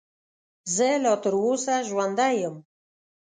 زه لا تر اوسه ژوندی یم .